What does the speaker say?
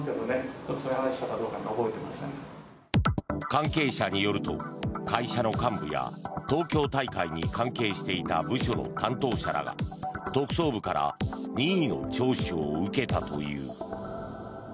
関係者によると会社の幹部や東京大会に関係していた部署の担当者らが特捜部から任意の聴取を受けたという。